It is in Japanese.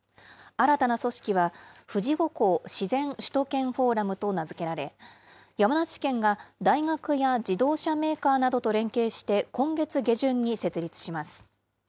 新たな組織は、富士五湖自然首都圏フォーラムと名付けられ、山梨県が大学や自動車メーカーなどと連携して今月下旬に設立します。